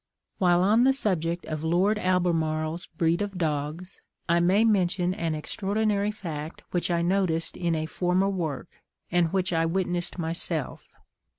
While on the subject of Lord Albemarle's breed of dogs, I may mention an extraordinary fact which I noticed in a former work, and which I witnessed myself.